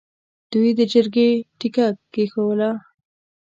دوی د جرګې تیګه کېښووه.